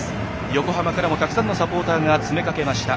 横浜からもたくさんのサポーターが詰め掛けました。